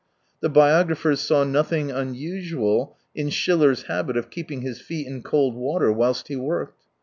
The biographers saw nothing unusual in Schiller's habit of keeping his feet in cold water whilst he worked.